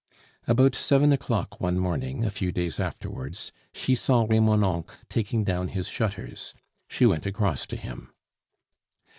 About seven o'clock one morning, a few days afterwards, she saw Remonencq taking down his shutters. She went across to him.